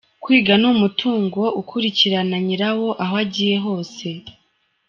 Kwiga ni umutungo ukurikirana nyirawo aho agiye hose” .